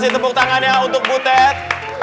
tepuk tangannya untuk butet